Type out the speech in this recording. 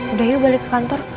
udah yuk balik ke kantor